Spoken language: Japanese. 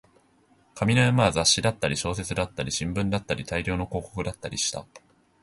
紙の山は雑誌だったり、小説だったり、新聞だったり、大量の広告だったりした